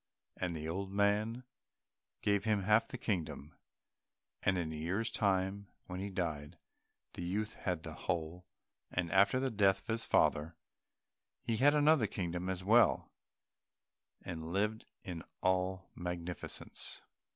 And the old man gave him half the kingdom, and in a year's time, when he died, the youth had the whole, and after the death of his father he had another kingdom as well, and lived in all magnificence.